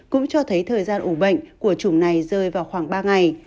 cũng cho thấy thời gian ủ bệnh của chủng này rơi vào khoảng ba ngày